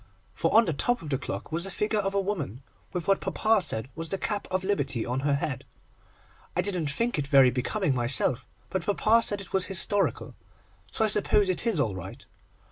for on the top of the clock was a figure of a woman, with what papa said was the cap of Liberty on her head. I didn't think it very becoming myself, but papa said it was historical, so I suppose it is all right.